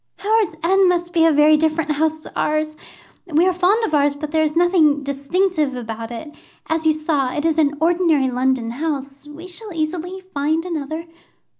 "Howards End must be a very different house to ours. We are fond of ours, but there is nothing distinctive about it. As you saw, it is an ordinary London house. We shall easily find another."